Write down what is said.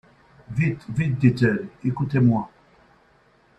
Vite ! Vite ! dit-elle, écoutez-moi.